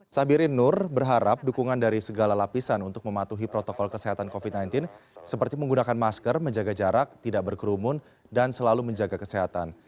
sabirin nur berharap dukungan dari segala lapisan untuk mematuhi protokol kesehatan covid sembilan belas seperti menggunakan masker menjaga jarak tidak berkerumun dan selalu menjaga kesehatan